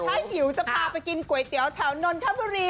ออกมาถ้าหิวจะมากินก๋วยเตี๊ยวแถวนอนท่าบุรี